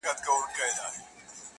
ځکه پاته جاویدانه افسانه سوم،